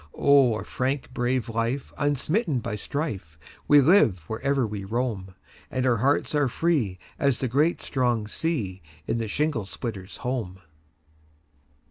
a brave frank life, unsmitten by strife, We live wherever we roam, And our hearts are free as the great strong sea, In the shingle splitter's home.